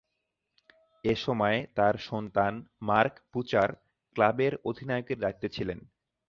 এ সময়ে তার সন্তান মার্ক বুচার ক্লাবের অধিনায়কের দায়িত্বে ছিলেন।